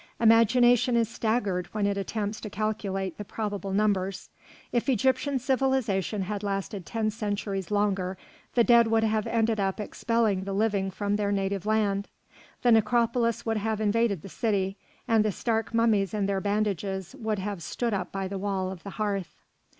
Imagination is staggered when it attempts to calculate the probable numbers; if Egyptian civilisation had lasted ten centuries longer, the dead would have ended by expelling the living from their native land. The necropolis would have invaded the city, and the stark mummies in their bandages would have stood up by the wall of the hearth.